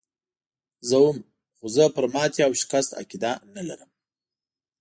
زه هم، خو زه پر ماتې او شکست عقیده نه لرم.